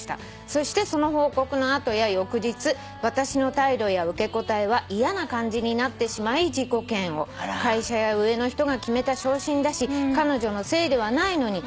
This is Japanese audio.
「そしてその報告の後や翌日私の態度や受け答えは嫌な感じになってしまい自己嫌悪」「会社や上の人が決めた昇進だし彼女のせいではないのに」